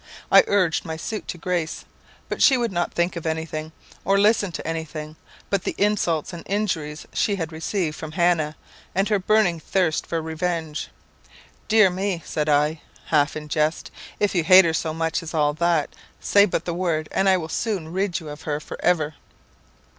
I urged my suit to Grace; but she would not think of anything, or listen to anything, but the insults and injuries she had received from Hannah, and her burning thirst for revenge. 'Dear me,' said I, half in jest, 'if you hate her so much as all that, say but the word, and I will soon rid you of her for ever.'